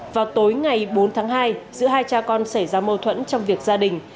vào tối ngày bốn tháng hai giữa hai cha con xảy ra mâu thuẫn trong việc gia đình